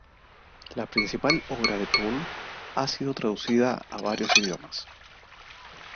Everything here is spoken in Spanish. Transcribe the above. La principal obra de Toole ha sido traducida a varios idiomas.